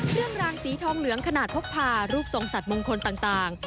เครื่องรางสีทองเหลืองขนาดพกพารูปทรงสัตวมงคลต่าง